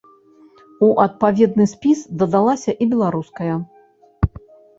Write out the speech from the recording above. У адпаведны спіс дадалася і беларуская.